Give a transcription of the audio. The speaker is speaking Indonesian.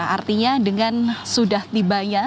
artinya dengan sudah tibanya